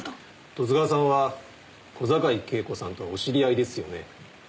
十津川さんは小坂井恵子さんとお知り合いですよね？